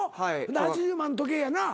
で８０万の時計やな。